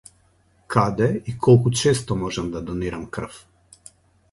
Каде и колку често можам да донирам крв?